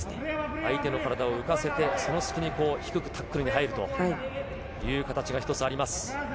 相手の体を浮かせて、その隙に、低くタックルに入るという形が一つあります。